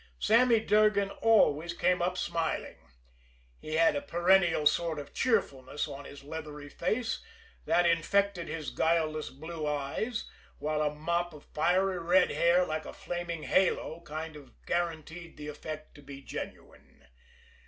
Sammy Durgan always came up smiling. He had a perennial sort of cheerfulness on his leathery face that infected his guileless blue eyes, while a mop of fiery red hair like a flaming halo kind of guaranteed the effect to be genuine.